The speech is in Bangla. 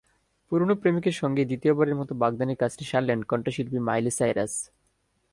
পুরোনো প্রেমিকের সঙ্গেই দ্বিতীয়বারের মতো বাগদানের কাজটি সারলেন কণ্ঠশিল্পী মাইলি সাইরাস।